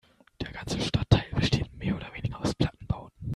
Der ganze Stadtteil besteht mehr oder weniger aus Plattenbauten.